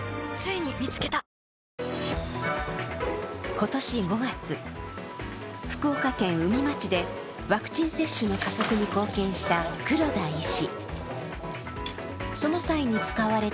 今年５月、福岡県宇美町でワクチン接種の加速に貢献した黒田医師。